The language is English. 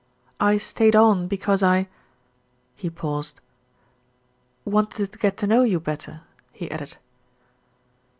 "I stayed on because I " he paused, "wanted to get to know you better," he added.